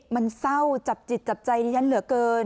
มันเศร้าจับจิตจับใจดิฉันเหลือเกิน